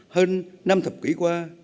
hơn năm thập kỷ qua